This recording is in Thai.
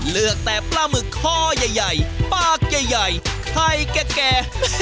เลือกแต่ปลาหมึกคอใหญ่ปากใหญ่ไข่แก่